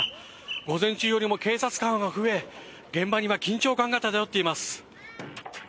午前中よりも警察官は増え現場には緊張感が漂っています。